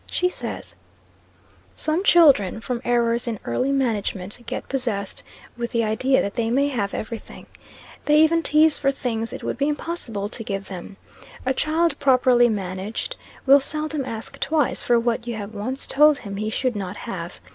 She says: "Some children, from errors in early management, get possessed with the idea that they may have every thing. They even tease for things it would be impossible to give them. A child properly managed will seldom ask twice for what you have once told him he should not have.